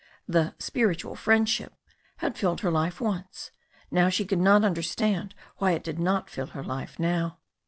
The ''spiritual friend ship" had filled her life once. She could not understand why it did not fill her life now.